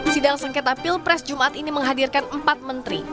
sidang sengketa pilpres jumat ini menghadirkan empat menteri